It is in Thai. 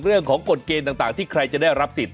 กฎเกณฑ์ต่างที่ใครจะได้รับสิทธิ